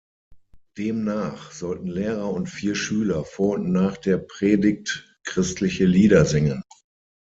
Demnach sollten Lehrer und vier Schüler vor und nach der Predigt christliche Lieder singen.